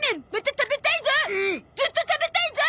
ずっと食べたいゾ！